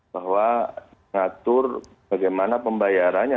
bahwa mengatur bagaimana pembayarannya